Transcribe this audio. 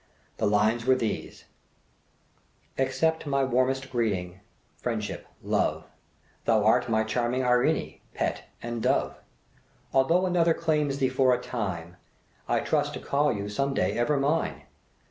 The lines were these: "Accept my warmest greeting, friendship, love, Thou art my charming Irene, pet and dove; Although another claims thee for a time, I trust to call you some day ever mine.